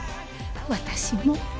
私も。